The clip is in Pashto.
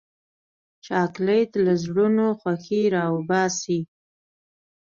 چاکلېټ له زړونو خوښي راوباسي.